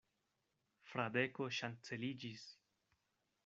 Fradeko ŝanceliĝis.